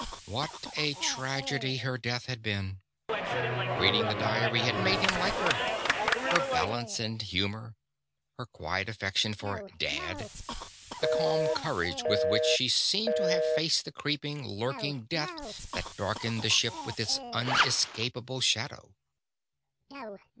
What a tragedy her death had been! Reading the diary had made him like her. Her balance and humor. Her quiet affection for "Dad." The calm courage with which she seemed to have faced the creeping, lurking death that darkened the ship with its unescapable shadow.